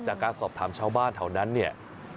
จากการสอบถามชาวบ้านแถวนั้นเนี่ย